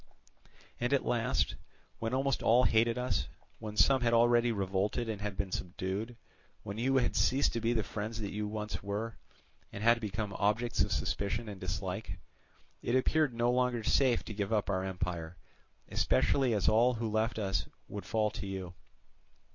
And at last, when almost all hated us, when some had already revolted and had been subdued, when you had ceased to be the friends that you once were, and had become objects of suspicion and dislike, it appeared no longer safe to give up our empire; especially as all who left us would fall to you.